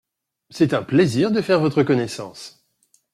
C’est un plaisir de faire votre connaissance.